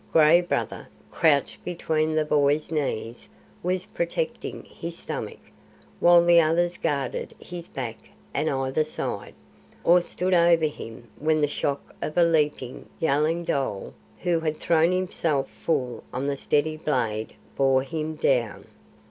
Gray Brother, crouched between the boy's knees, was protecting his stomach, while the others guarded his back and either side, or stood over him when the shock of a leaping, yelling dhole who had thrown himself full on the steady blade bore him down.